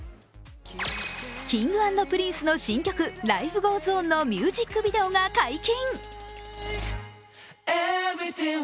Ｋｉｎｇ＆Ｐｒｉｎｃｅの新曲「Ｌｉｆｅｇｏｅｓｏｎ」のミュージックビデオが解禁。